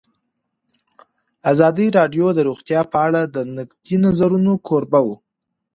ازادي راډیو د روغتیا په اړه د نقدي نظرونو کوربه وه.